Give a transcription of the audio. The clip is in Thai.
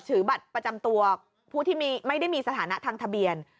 ถือบัตรประจำตัวผู้ที่ไม่ได้มีสถานะทางทะเบียน